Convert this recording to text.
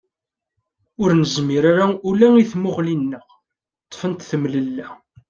Ur nezmir ara ula i tmuɣli-nneɣ, ṭṭfent temlella.